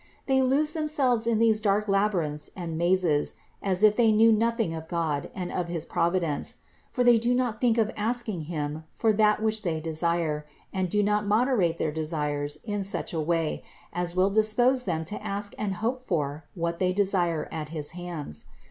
They lose themselves in these dark labyrinths and mazes, as if they knew nothing of God and of his Providence ; for they do not think of ask ing Him for that which they desire, and do not moderate their desires in such a way as will dispose them to ask and hope for what they desire at his hands.